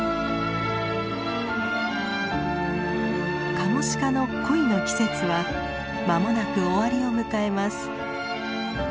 カモシカの恋の季節は間もなく終わりを迎えます。